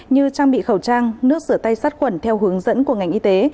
như trang bị khẩu trang nước sửa tay sát quẩn theo hướng dẫn của ngành y tế